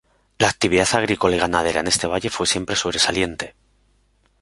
La actividad agrícola y ganadera en este valle fue siempre sobresaliente.